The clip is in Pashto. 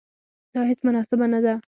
دا هیڅ مناسبه نه ده.